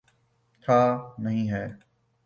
تھا، نہیں ہے۔